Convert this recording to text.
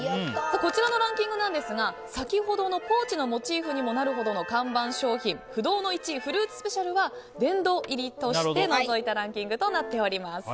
こちらのランキングですが先ほどのポーチのモチーフにもなるほどの看板商品、不動の１位フルーツスペシャルは殿堂入りとして除いたランキングになっています。